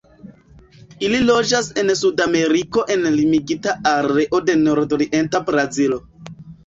Ili loĝas en Sudameriko en limigita areo de nordorienta Brazilo.